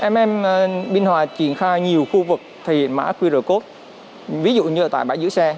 mmbiên hòa triển khai nhiều khu vực thực hiện mã qr code ví dụ như tại bãi giữ xe